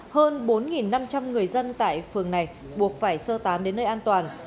hơn bốn năm trăm linh người dân tại phường này buộc phải sơ tán đến nơi an toàn